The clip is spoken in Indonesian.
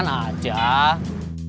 penganin kembali dulu